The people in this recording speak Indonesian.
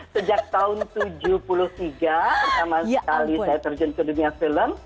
sejak tahun tujuh puluh tiga pertama sekali saya terjun ke dunia film